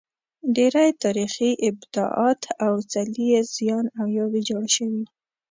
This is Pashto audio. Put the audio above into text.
ډېری تاریخي ابدات او څلي یې زیان او یا ویجاړ شوي.